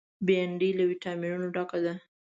بېنډۍ له ویټامینونو ډکه ده